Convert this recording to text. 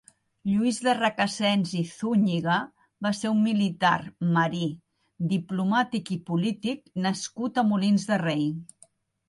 Lluís de Requesens i Zúñiga va ser un militar, marí, diplomàtic i polític nascut a Molins de Rei.